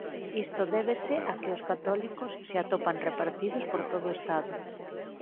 Isto débese a que os católicos se atopan repartidos por todo o Estado.